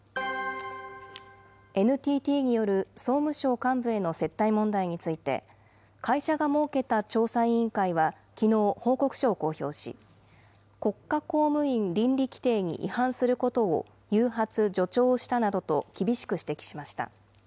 ＮＴＴによる総務省幹部への接待問題について、会社が設けた調査委員会はきのう、報告書を公表し、国家公務員倫理規程に違反することを誘発・助長したなどと厳しく指摘しました。